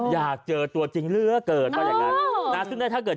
อยากเจอตัวจริงเลยว่าเกิด